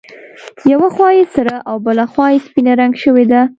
یوه خوا یې سره او بله خوا یې سپینه رنګ شوې ده.